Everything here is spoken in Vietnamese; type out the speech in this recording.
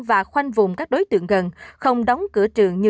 và khoanh vùng các đối tượng gần không đóng cửa trường như